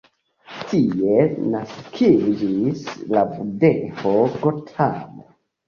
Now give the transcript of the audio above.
Tie naskiĝis la budho Gotamo.